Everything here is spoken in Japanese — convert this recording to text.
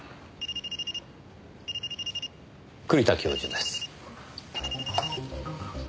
栗田教授です。